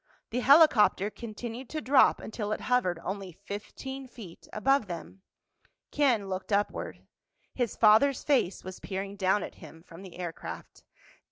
The helicopter continued to drop until it hovered only fifteen feet above them. Ken looked upward. His father's face was peering down at him from the aircraft.